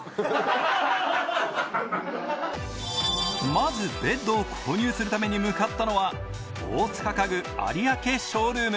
まずベッドを購入するために向かったのは大塚家具有明ショールーム